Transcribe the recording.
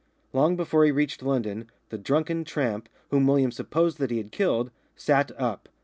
Long before he reached London, the drunken tramp, whom William supposed that he had killed, sat up.